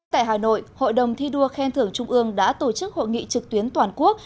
tại hà nội hội đồng thi đua khen thưởng trung ương đã tổ chức hội nghị trực tuyến toàn quốc